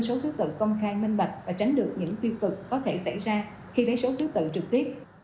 số thứ tự công khai minh bạch và tránh được những tiêu cực có thể xảy ra khi lấy số thứ tự trực tiếp